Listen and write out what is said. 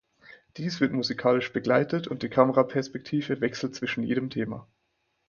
Dies wird musikalisch begleitet und die Kameraperspektive wechselt zwischen jedem Thema.